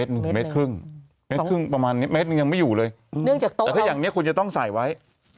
โต๊ะเราไม่สามารถจะสอบไม่ได้